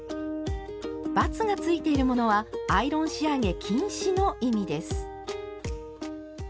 バツがついているものはアイロン仕上げ禁止の意味です。